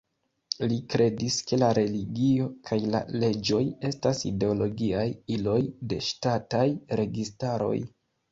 Li kredis ke la religio kaj la leĝoj estas ideologiaj iloj de ŝtataj registaroj.